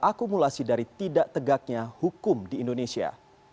akumulasi dari tidak tegaknya hukum di indonesia